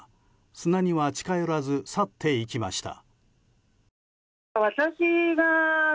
砂には近寄らず去っていきました。